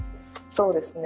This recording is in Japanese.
そうですね。